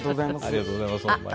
ありがとうございますほんまに。